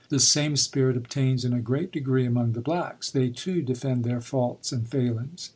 This same spirit obtains in a great degree among the blacks; they, too, defend their faults and failings.